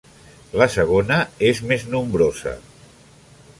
La segona és més nombrosa.